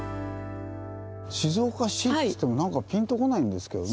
静岡市っつってもなんかピンとこないんですけどね。